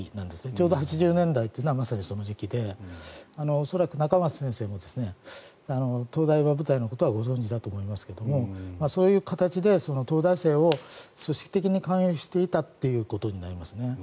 ちょうど８０年代というのはまさにその時期で恐らく仲正先生も東大エバ部隊のことはご存じだと思いますけれどそういう形で東大生を組織的に勧誘していたことになりますね。